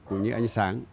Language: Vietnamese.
cũng như ánh sáng